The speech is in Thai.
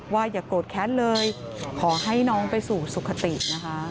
อย่าโกรธแค้นเลยขอให้น้องไปสู่สุขตินะคะ